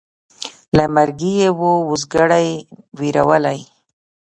له مرګي یې وو اوزګړی وېرولی